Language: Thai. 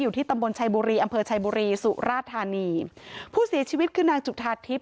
ที่ตำบลชัยบุรีอำเภอชัยบุรีสุราธานีผู้เสียชีวิตคือนางจุธาทิพย